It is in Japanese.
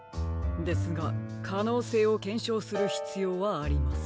ですがかのうせいをけんしょうするひつようはあります。